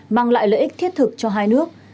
mang lại lợi ích thiết thực cho hai nước